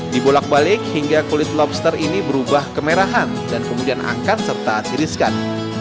dibolak balik hingga kulit lobster ini berubah kemerahan dan kemudian angkat serta tiriskan